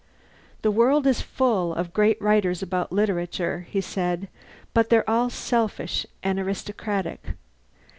"The world is full of great writers about literature," he said, "but they're all selfish and aristocratic.